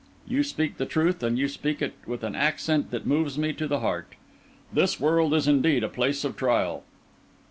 You speak the truth, and you speak it with an accent that moves me to the heart. This world is indeed a place of trial."